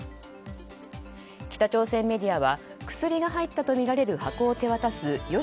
北朝鮮メディアは薬の入ったとみられる箱を手渡す与